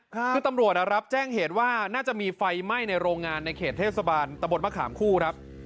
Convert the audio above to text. คือตำรวจรับแจ้งเหตุว่าน่าจะมีไฟไหม้ในโรงงานในเขตเทศบาลตะบนมะขามคู่ครับ